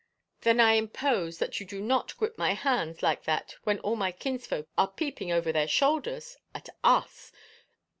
""" Then I impose that you do not grip my hands like that when all my kinsfolk are peeping over their shoulders, at us!